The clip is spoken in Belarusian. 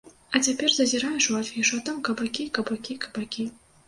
А цяпер зазіраеш у афішу, а там кабакі-кабакі-кабакі.